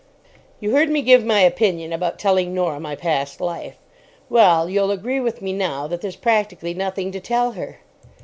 You heard me give my opinion about telling Norah my past life. Well, you'll agree with me now that there's practically nothing to tell her.